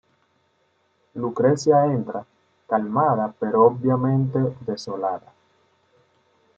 Lucrecia entra, calmada pero obviamente desolada.